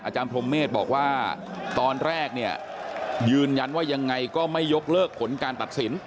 พรมเมฆบอกว่าตอนแรกเนี่ยยืนยันว่ายังไงก็ไม่ยกเลิกผลการตัดสิน